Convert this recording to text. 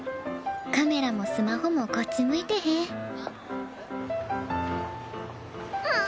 カメラもスマホもこっち向いてへん。